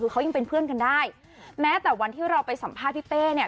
คือเขายังเป็นเพื่อนกันได้แม้แต่วันที่เราไปสัมภาษณ์พี่เป้เนี่ย